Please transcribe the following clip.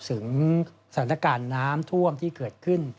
ถึงสถานการณ์น้ำท่วมที่เกิดขึ้น